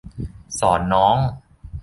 สอนน้อง